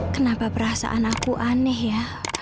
kenapa perasaan aku aneh ya